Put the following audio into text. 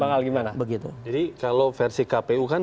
bang al gimana begitu jadi kalau versi kpu kan